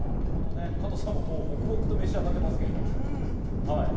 加藤さん、黙々と召し上がっています。